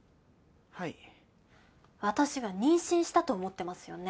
私が妊娠したと思ってますよね？